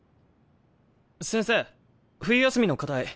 先生冬休みの課題